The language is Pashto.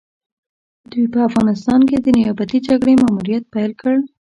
دوی په افغانستان کې د نيابتي جګړې ماموريت پيل کړ.